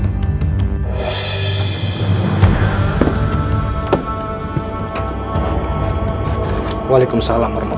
assalamualaikum warahmatullahi wabarakatuh